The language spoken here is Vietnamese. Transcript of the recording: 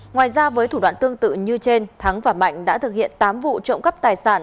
ngoài ra với thủ đoạn tương tự như trên thắng và mạnh đã thực hiện tám vụ trộm cắp tài sản